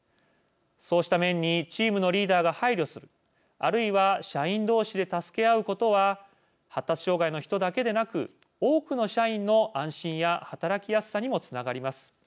そうした面にチームのリーダーが配慮するあるいは社員同士で助け合うことは発達障害の人だけでなく多くの社員の安心や働きやすさにもつながります。